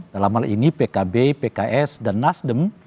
dalam hal ini pkb pks dan nasdem